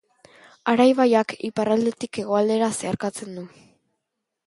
Ara ibaiak iparraldetik hegoaldera zeharkatzen du.